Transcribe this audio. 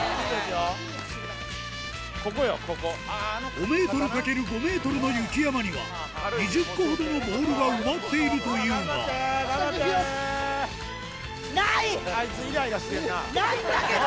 ５ｍ×５ｍの雪山には２０個ほどのボールが埋まっているというがあいつイライラしてるな。